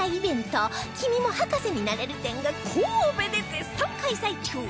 「君も博士になれる展」が神戸で絶賛開催中！